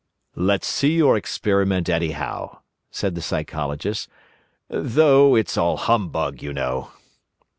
"Let's see your experiment anyhow," said the Psychologist, "though it's all humbug, you know."